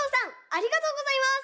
ありがとうございます。